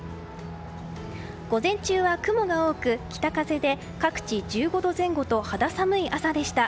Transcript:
午前中は雲が多く北風で各地１５度前後と肌寒い朝でした。